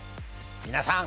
皆さん